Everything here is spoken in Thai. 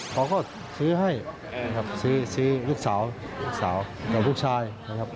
พ่อก็ซื้อให้นะครับซื้อลูกสาวกับลูกชายนะครับ